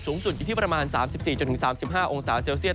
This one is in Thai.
สูงสุดอยู่ที่ประมาณ๓๔๓๕องศาเซลเซียต